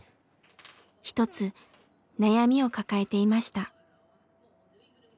一つ悩みを抱えていました。